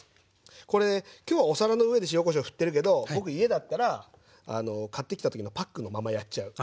これ今日はお皿の上で塩・こしょうふってるけど僕家だったら買ってきた時のパックのままやっちゃう。